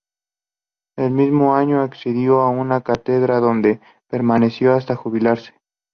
El mismo año, accedió a una cátedra, donde permaneció hasta jubilarse.